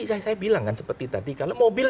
saya bilang kan seperti tadi kalau mobil